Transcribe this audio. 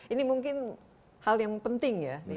ini mungkin hal yang penting ya